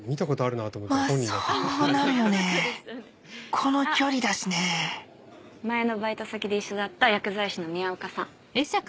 この距離だしね前のバイト先で一緒だった薬剤師の宮岡さん。